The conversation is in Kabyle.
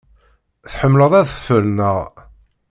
Tḥemmleḍ adfel, naɣ?